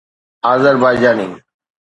Azerbaijani